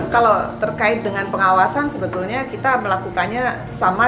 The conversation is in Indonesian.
kalau terkait dengan pengawasan sebetulnya kita melakukannya sama